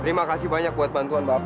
terima kasih banyak buat bantuan bapak